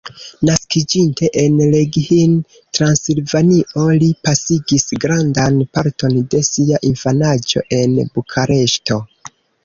Naskiĝinte en Reghin, Transilvanio, li pasigis grandan parton de sia infanaĝo en Bukareŝto.